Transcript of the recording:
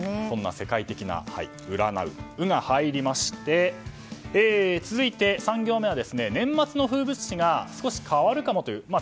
そんな、世界的な占うの「ウ」が入りまして続いて３行目は、年末の風物詩が少し変わるかもという。